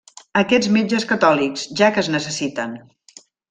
Aquests metges catòlics, ja que es necessiten!